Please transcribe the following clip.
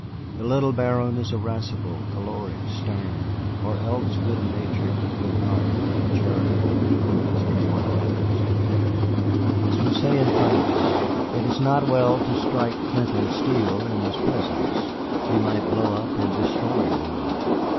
The little Baron is irascible, choleric, stern, or else good natured, good hearted, and charitable, just as one happens to take him. As we say in France, it is not well to strike flint and steel in his presence. He might blow up and destroy one.